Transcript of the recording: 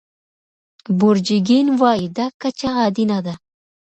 بورجیګین وايي دا کچه عادي نه ده.